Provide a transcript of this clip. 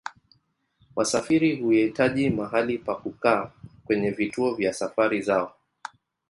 Wasafiri huhitaji mahali pa kukaa kwenye vituo vya safari zao.